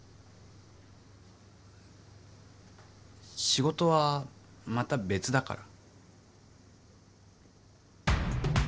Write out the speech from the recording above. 仕事はまた別だから。